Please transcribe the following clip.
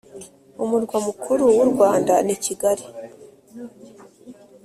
Umurwa mukuru wurwanda ni Kigali